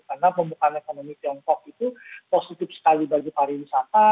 karena pembukaan ekonomi tiongkok itu positif sekali bagi pariwisata